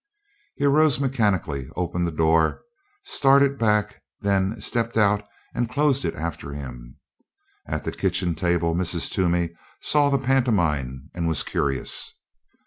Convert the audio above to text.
He arose mechanically, opened the door, started back, then stepped out and closed it after him. At the kitchen table Mrs. Toomey saw the pantomime and was curious.